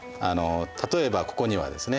例えばここにはですね